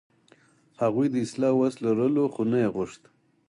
هغوی د اصلاح وس لرلو، خو نه یې غوښت.